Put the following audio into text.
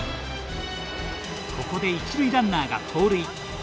ここで一塁ランナーが盗塁。